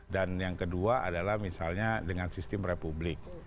dan yang kedua adalah misalnya dengan sistem republik